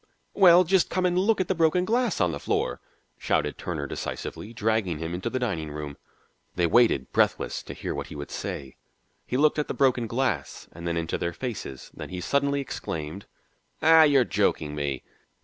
"Well, just come and look at the broken glass on the floor," shouted Turner decisively, dragging him into the dining room. They waited, breathless, to hear what he would say. He looked at the broken glass and then into their faces. Then he suddenly exclaimed: "Ah, you're joking me."